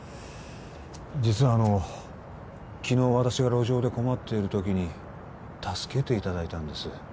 実はあの昨日私が路上で困っている時に助けていただいたんです